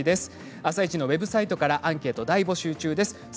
「あさイチ」のウェブサイトからアンケートを募集中です。